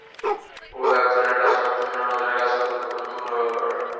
ফুল একজনের কাছে অর্থহীন, অন্যজনের কাছে অত্যন্ত গুরুত্বপূর্ণ ব্যাপার।